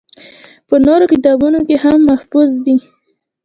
پۀ نورو کتابونو کښې هم محفوظ دي